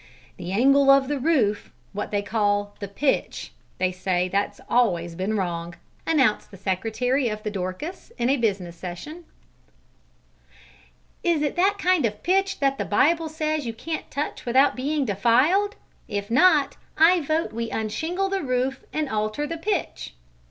"The angle of the roof what they call the 'pitch' they say that that's always been wrong," announced the secretary of the Dorcas in a business session. "Is it that kind of pitch that the Bible says you can't touch without being defiled? If not, I vote that we unshingle the roof and alter the pitch!"